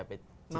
mau tidak mau